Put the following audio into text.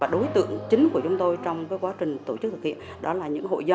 đối tượng chính của chúng tôi trong quá trình tổ chức thực hiện đó là những hội dân